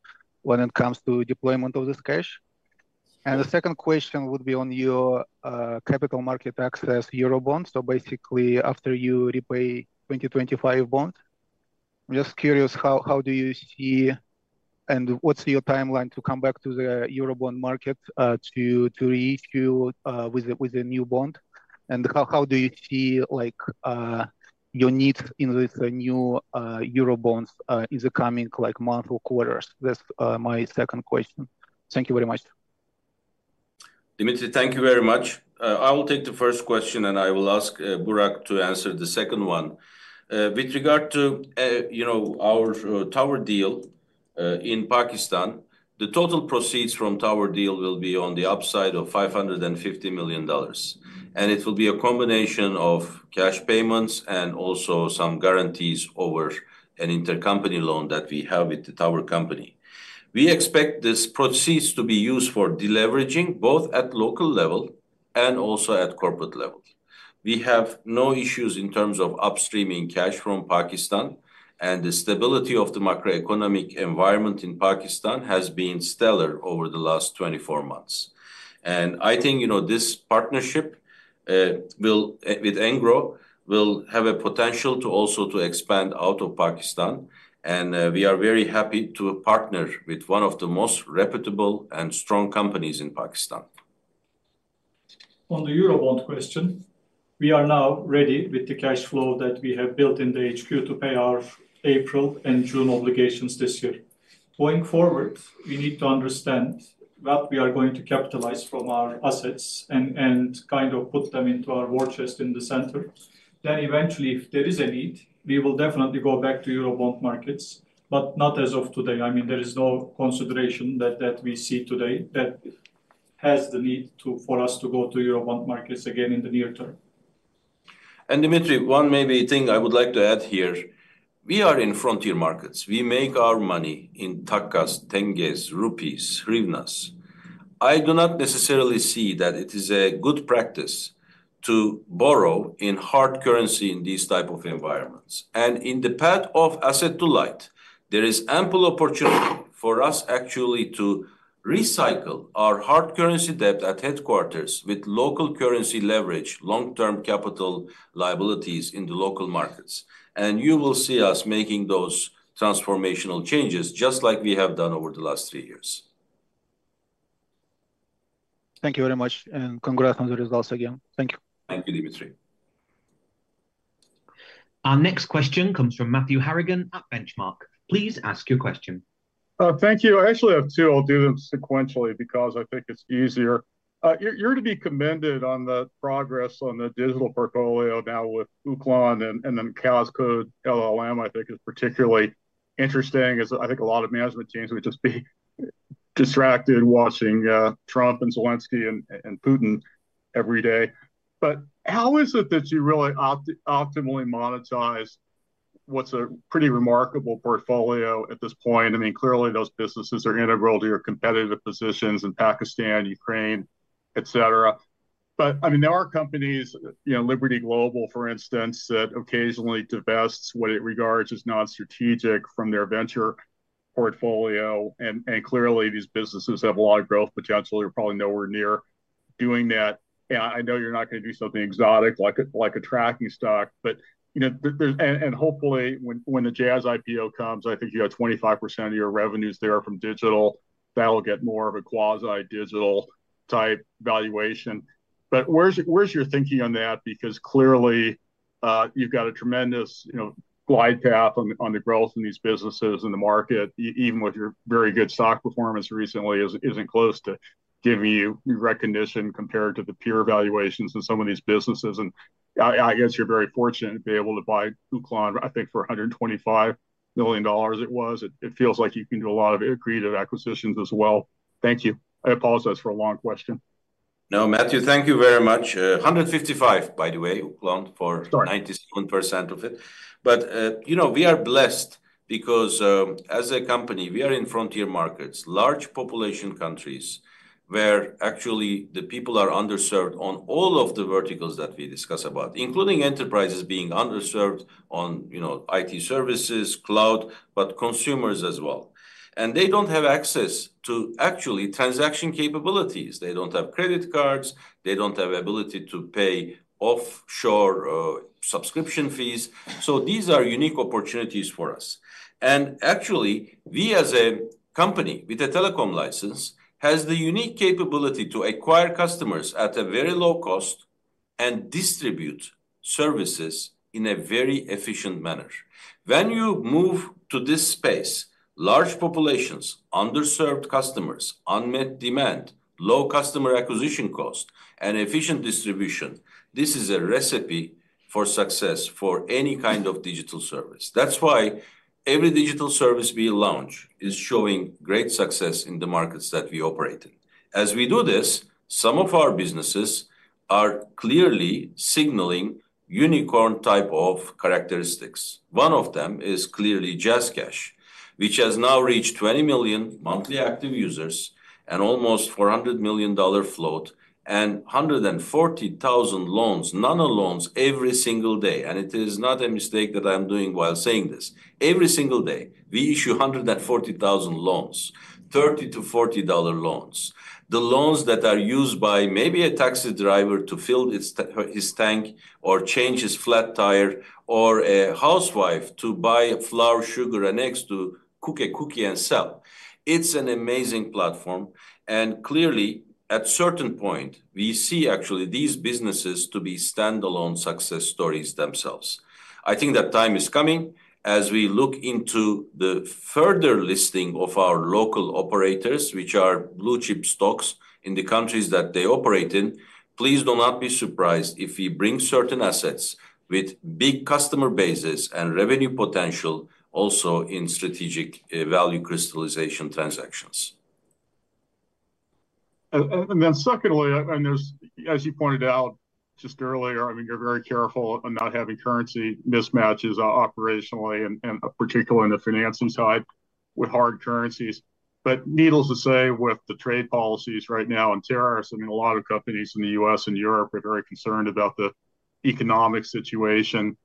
S8: when it comes to deployment of this cash? The second question would be on your capital market access, Eurobonds. Basically, after you repay 2025 bonds, I'm just curious, how do you see and what's your timeline to come back to the Eurobond market to reissue with a new bond? How do you see your needs in these new Eurobonds in the coming months or quarters? That's my second question. Thank you very much.
S3: Dmitry, thank you very much. I will take the first question, and I will ask Burak to answer the second one. With regard to our tower deal in Pakistan, the total proceeds from tower deal will be on the upside of $550 million. It will be a combination of cash payments and also some guarantees over an intercompany loan that we have with the tower company. We expect these proceeds to be used for deleveraging both at local level and also at corporate level. We have no issues in terms of upstreaming cash from Pakistan. The stability of the macroeconomic environment in Pakistan has been stellar over the last 24 months. I think, you know, this partnership with Engro will have a potential to also expand out of Pakistan. We are very happy to partner with one of the most reputable and strong companies in Pakistan.
S4: On the Eurobond question, we are now ready with the cash flow that we have built in the HQ to pay our April and June obligations this year. Going forward, we need to understand what we are going to capitalize from our assets and kind of put them into our war chest in the center. Eventually, if there is a need, we will definitely go back to Eurobond markets, but not as of today. I mean, there is no consideration that we see today that has the need for us to go to Eurobond markets again in the near term.
S3: Dmitri, one maybe thing I would like to add here. We are in frontier markets. We make our money in Takas, Tenges, Rupees, Hryvnias. I do not necessarily see that it is a good practice to borrow in hard currency in these types of environments. In the path of asset to light, there is ample opportunity for us actually to recycle our hard currency debt at headquarters with local currency leverage, long-term capital liabilities in the local markets. You will see us making those transformational changes just like we have done over the last three years.
S8: Thank you very much. Congrats on the results again. Thank you.
S3: Thank you, Dmitri. Our next question comes from Matthew Harrigan at Benchmark. Please ask your question.
S9: Thank you. I actually have two. I'll do them sequentially because I think it's easier. You're to be commended on the progress on the digital portfolio now with Uklon and then KazLLM, I think, is particularly interesting. I think a lot of management teams would just be distracted watching Trump and Zelensky and Putin every day. How is it that you really optimally monetize what's a pretty remarkable portfolio at this point? I mean, clearly, those businesses are integral to your competitive positions in Pakistan, Ukraine, etc. I mean, there are companies, you know, Liberty Global, for instance, that occasionally divests what it regards as non-strategic from their venture portfolio. Clearly, these businesses have a lot of growth potential. You're probably nowhere near doing that. I know you're not going to do something exotic like a tracking stock. You know, and hopefully, when the Jazz IPO comes, I think you got 25% of your revenues there from digital. That'll get more of a quasi-digital type valuation. Where's your thinking on that? Because clearly, you've got a tremendous glide path on the growth in these businesses in the market, even with your very good stock performance recently, it is not close to giving you recognition compared to the peer evaluations in some of these businesses. I guess you're very fortunate to be able to buy Booklon, I think, for $125 million, it was. It feels like you can do a lot of creative acquisitions as well. Thank you. I apologize for a long question.
S3: No, Matthew, thank you very much. 155, by the way, Booklon for 97% of it. You know, we are blessed because as a company, we are in frontier markets, large population countries where actually the people are underserved on all of the verticals that we discussed about, including enterprises being underserved on, you know, IT services, cloud, but consumers as well. They do not have access to actually transaction capabilities. They do not have credit cards. They do not have the ability to pay offshore subscription fees. These are unique opportunities for us. Actually, we as a company with a telecom license have the unique capability to acquire customers at a very low cost and distribute services in a very efficient manner. When you move to this space, large populations, underserved customers, unmet demand, low customer acquisition cost, and efficient distribution, this is a recipe for success for any kind of digital service. That is why every digital service we launch is showing great success in the markets that we operate in. As we do this, some of our businesses are clearly signaling unicorn type of characteristics. One of them is clearly JazzCash, which has now reached 20 million monthly active users and almost $400 million float and 140,000 loans, nano loans every single day. It is not a mistake that I'm doing while saying this. Every single day, we issue 140,000 loans, $30,000-$40,000 loans. The loans that are used by maybe a taxi driver to fill his tank or change his flat tire or a housewife to buy flour, sugar, and eggs to cook a cookie and sell. It's an amazing platform. Clearly, at a certain point, we see actually these businesses to be standalone success stories themselves. I think that time is coming as we look into the further listing of our local operators, which are blue-chip stocks in the countries that they operate in. Please do not be surprised if we bring certain assets with big customer bases and revenue potential also in strategic value crystallization transactions.
S9: Secondly, as you pointed out just earlier, I mean, you're very careful on not having currency mismatches operationally, and particularly on the financing side with hard currencies. Needless to say, with the trade policies right now and tariffs, a lot of companies in the U.S. and Europe are very concerned about the economic situation.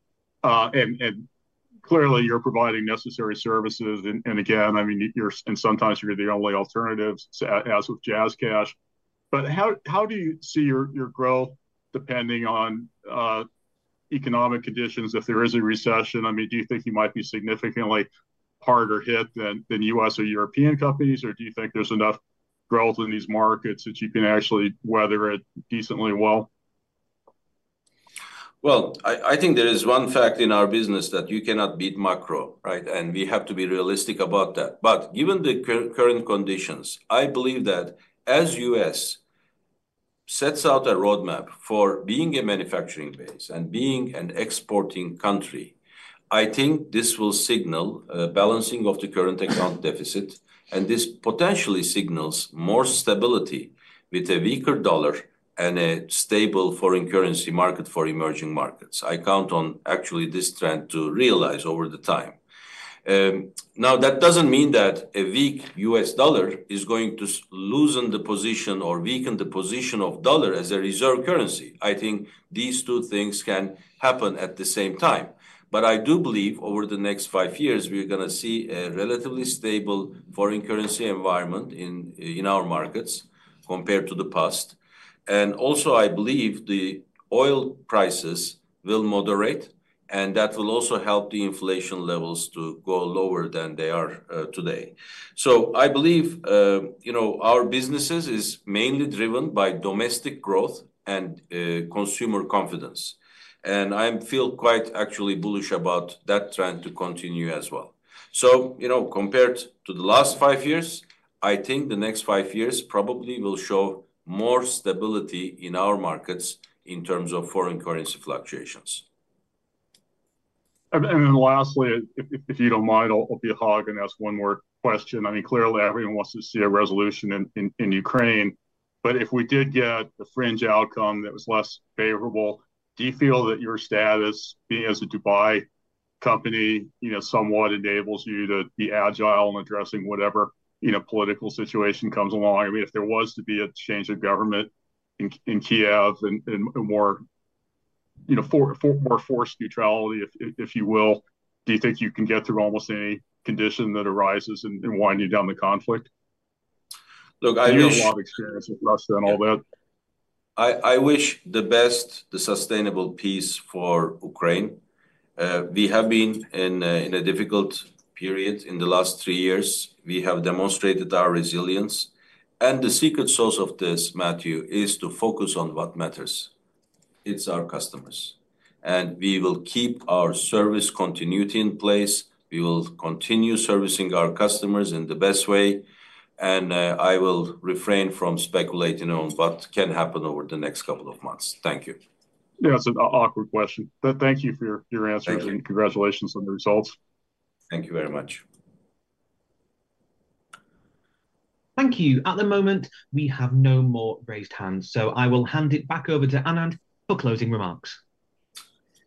S9: Clearly, you're providing necessary services. Again, I mean, you're, and sometimes you're the only alternative, as with JazzCash. How do you see your growth depending on economic conditions? If there is a recession, do you think you might be significantly harder hit than U.S. or European companies? Do you think there's enough growth in these markets that you can actually weather it decently well?
S3: I think there is one fact in our business that you cannot beat macro, right? We have to be realistic about that. Given the current conditions, I believe that as the U.S. sets out a roadmap for being a manufacturing base and being an exporting country, I think this will signal a balancing of the current account deficit. This potentially signals more stability with a weaker dollar and a stable foreign currency market for emerging markets. I count on actually this trend to realize over the time. That doesn't mean that a weak U.S. dollar is going to loosen the position or weaken the position of the dollar as a reserve currency. I think these two things can happen at the same time. I do believe over the next five years, we're going to see a relatively stable foreign currency environment in our markets compared to the past. I also believe the oil prices will moderate, and that will also help the inflation levels to go lower than they are today. I believe, you know, our businesses are mainly driven by domestic growth and consumer confidence. I feel quite actually bullish about that trend to continue as well. You know, compared to the last five years, I think the next five years probably will show more stability in our markets in terms of foreign currency fluctuations.
S9: Lastly, if you don't mind, I'll be hogging, ask one more question. I mean, clearly, everyone wants to see a resolution in Ukraine. If we did get a fringe outcome that was less favorable, do you feel that your status being as a Dubai company, you know, somewhat enables you to be agile in addressing whatever, you know, political situation comes along? I mean, if there was to be a change of government in Kyiv and more, you know, more forced neutrality, if you will, do you think you can get through almost any condition that arises and wind you down the conflict? Look, I wish you have a lot of experience with Russia and all that.
S3: I wish the best, the sustainable peace for Ukraine. We have been in a difficult period in the last three years. We have demonstrated our resilience. The secret sauce of this, Matthew, is to focus on what matters. It's our customers. We will keep our service continuity in place. We will continue servicing our customers in the best way. I will refrain from speculating on what can happen over the next couple of months. Thank you.
S9: Yeah, that's an awkward question. Thank you for your answers. Congratulations on the results.
S3: Thank you very much.
S1: Thank you. At the moment, we have no more raised hands. I will hand it back over to Anand for closing remarks.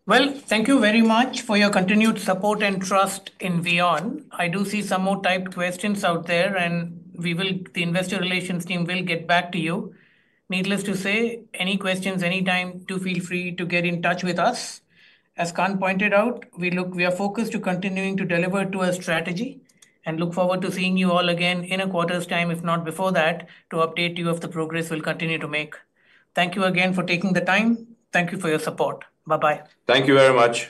S2: Thank you very much for your continued support and trust in VEON. I do see some more typed questions out there, and we, the investor relations team, will get back to you. Needless to say, any questions, anytime, do feel free to get in touch with us. As Kaan pointed out, we look, we are focused on continuing to deliver to our strategy and look forward to seeing you all again in a quarter's time, if not before that, to update you of the progress we'll continue to make. Thank you again for taking the time. Thank you for your support. Bye-bye.
S3: Thank you very much.